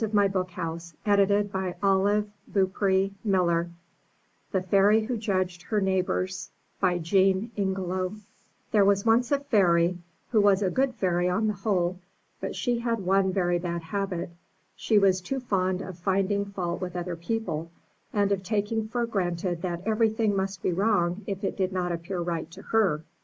At the foot of the apple tree. 357 M Y BOOK HOUSE THE FAIRY WHO JUDGED HER NEIGHBORS Jean Ingelow There was once a Fairy, who was a good Fairy on the whole, but she had one very bad habit; she was too fond of finding fault with other people, and of taking for granted that everything must be wrong if it did not appear right to her.